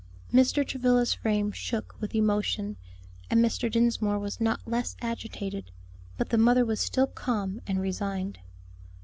Mr. Travilla's frame shook with emotion, and Mr. Dinsmore was not less agitated; but the mother was still calm and resigned.